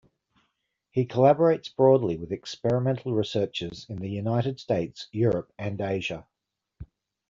He collaborates broadly with experimental researchers in the United States, Europe and Asia.